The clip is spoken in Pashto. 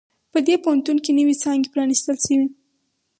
په دې پوهنتون کې نوی څانګي پرانیستل شوي